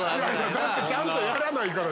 だってちゃんとやらないから。